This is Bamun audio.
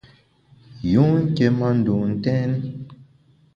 Yun nké ma ndun ntèn.